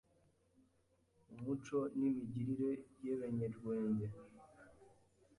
mu muco n’imigirire y’Ebenyerwende,